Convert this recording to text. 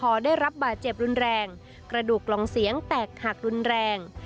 พอได้รับบาดเจ็บรุนแรงกระดูกกล่องเสียงแตกหักรุนแรง